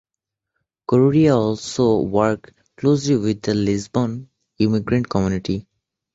Correia also works closely with the Lisbon immigrant community.